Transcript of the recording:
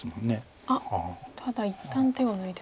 あっただ一旦手を抜いてと。